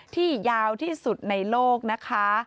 ยาวที่สุดในโลกนะคะ